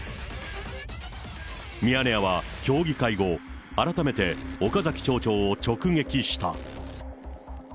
ミヤネ屋は協議会後、改めて岡崎町長を直撃した。